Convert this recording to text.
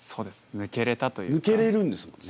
抜けれるんですもんね。